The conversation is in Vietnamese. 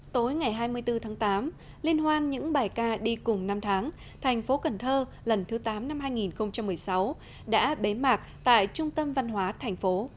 tối ngày hai mươi bốn tháng tám liên hoan những bài ca đi cùng năm tháng thành phố cần thơ lần thứ tám năm hai nghìn một mươi sáu đã bế mạc tại trung tâm văn hóa thành phố